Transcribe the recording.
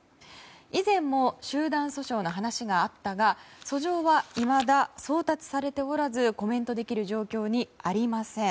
以前も集団訴訟の話があったが訴状はいまだ送達されておらずコメントできる状況にありません。